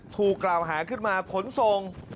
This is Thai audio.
ถูกกล่าวหาขึ้นมาขนส่ง